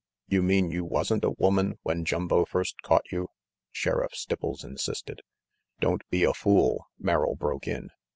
"You mean you wasn't a woman when Jumbo first caught you?" Sheriff Stipples insisted. "Don't be a fool," Merrill broke in.